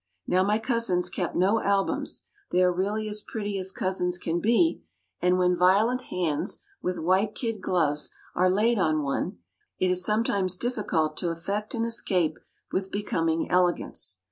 Now my cousins kept no albums; they are really as pretty as cousins can be; and when violent hands, with white kid gloves, are laid on one, it is sometimes difficult to effect an escape with becoming elegance.